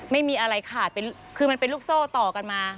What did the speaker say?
ไม่มีอะไรขาดคือมันเป็นลูกโซ่ต่อกันมา